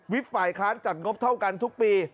ฝ่ายค้านจัดงบเท่ากันทุกปี